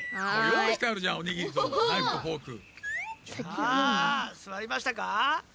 さあすわりましたか？